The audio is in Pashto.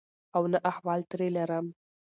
او نه احوال ترې لرم.